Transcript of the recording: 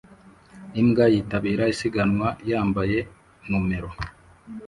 Imbwa yitabira isiganwa yambaye numero